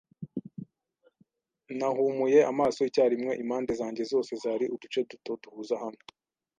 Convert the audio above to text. Nahumuye amaso icyarimwe. Impande zanjye zose zari uduce duto, duhuza hamwe